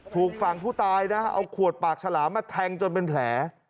ถูกฝั่งผู้ตายนะเอาขวดปากฉลามมาแทงจนเป็นแผล